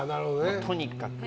とにかく。